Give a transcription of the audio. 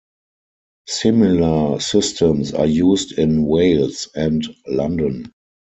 Similar systems are used in Wales and London.